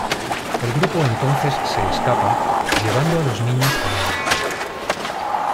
El grupo entonces se escapa, llevando a los niños con ellos.